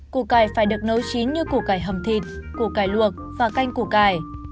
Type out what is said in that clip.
củ cải phải được nấu chín như củ cải hầm thịt củ cải luộc và canh củ cải